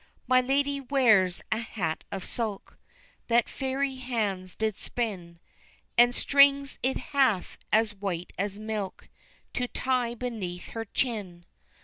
My ladye wears a hat of silk, That fairy hands did spin, And strings it hath as white as milk, To tie beneath her chin.